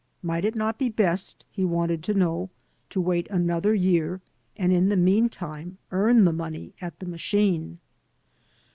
Might it not be best, he wanted to know, to wait another year and in the mean time earn the money at the machine?